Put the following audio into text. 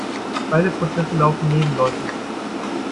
Beide Prozesse laufen nebenläufig.